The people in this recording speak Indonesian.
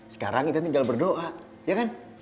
sekarang kita tinggal berdoa ya kan